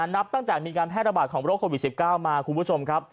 นับตั้งแต่มีการแพร่ระบาดของโรคโควิด๑๙มา